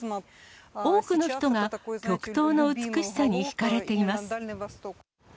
多くの人が極東の美しさに引かれています。